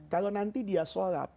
kalau nanti dia sholat